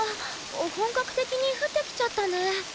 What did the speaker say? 本格的に降ってきちゃったね。